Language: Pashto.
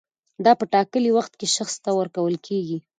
دا په ټاکلي وخت کې شخص ته ورکول کیږي.